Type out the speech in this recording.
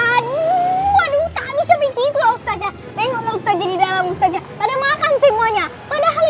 aduh aduh tak bisa begitu ustazah pengen ustazah di dalam ustazah pada makan semuanya padahal